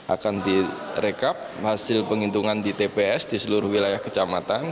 akan direkap hasil penghitungan di tps di seluruh wilayah kecamatan